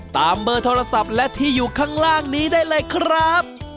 เบอร์โทรศัพท์และที่อยู่ข้างล่างนี้ได้เลยครับ